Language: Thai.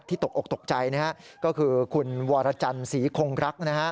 ที่ตกออกตกใจนะครับก็คือคุณวรจันศรีคงรัก